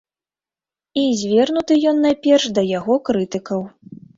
І звернуты ён найперш да яго крытыкаў.